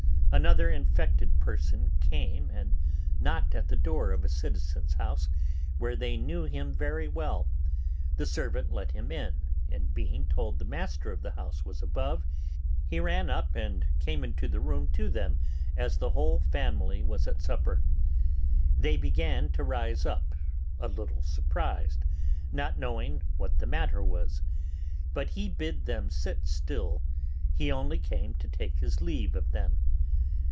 Another infected person came and knocked at the door of a citizen's house where they knew him very well; the servant let him in, and being told the master of the house was above, he ran up and came into the room to them as the whole family was at supper. They began to rise up, a little surprised, not knowing what the matter was; but he bid them sit still, he only came to take his leave of them.